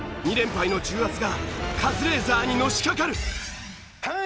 ２連敗の重圧がカズレーザーにのしかかる！